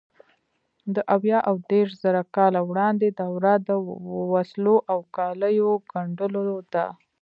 د اویا او دېرشزره کاله وړاندې دوره د وسلو او کالیو ګنډلو ده.